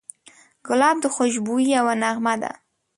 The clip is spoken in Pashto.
ګلاب د خوشبویۍ یوه نغمه ده.